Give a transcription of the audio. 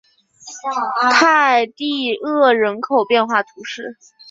泰蒂厄人口变化图示